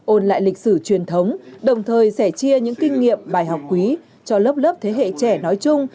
ôn lại lịch sử truyền thống đồng thời sẻ chia những kinh nghiệm bài học quý cho lớp lớp thế hệ trẻ nói chung